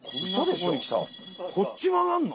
こっち曲がるの？